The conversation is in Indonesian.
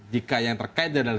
jika yang terkait dari